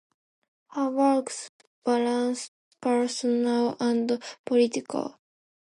Her works balance personal and political.